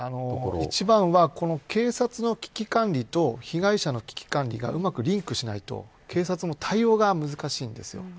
一番は、警察の危機管理と被害者の危機管理がうまくリンクしないと警察も対応が難しいんですよ。